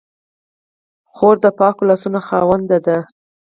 خور د پاکو لاسو خاوندې ده.